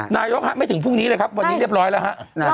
นายกไม่ถึงพรุ่งนี้เลยครับวันนี้เรียบร้อยแล้วฮะ